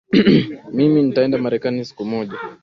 Mimi nitaenda marekani siku moja